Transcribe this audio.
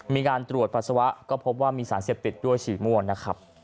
มีการตรวจปัสสาวะก็พบว่ามีสารเสพติดด้วยฉี่ม่วงนะครับ